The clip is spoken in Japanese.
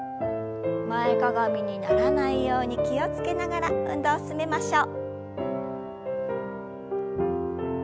前かがみにならないように気を付けながら運動を進めましょう。